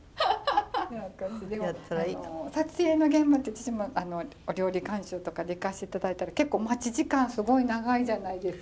撮影の現場って私もお料理監修とかで行かせて頂いたら結構待ち時間すごい長いじゃないですか。